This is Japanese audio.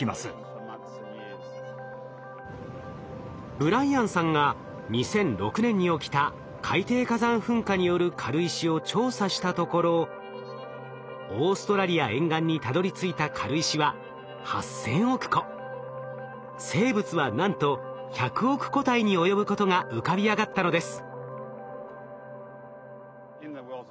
ブライアンさんが２００６年に起きた海底火山噴火による軽石を調査したところオーストラリア沿岸にたどりついた軽石は生物はなんと１００億個体に及ぶことが浮かび上がったのです。